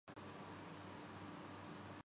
شان کی film Earth میں راحت کی اواز بھی شامل